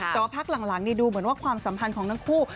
แต่ว่าพักหลังดูเหมือนว่าความสัมพันธ์ของทั้งคู่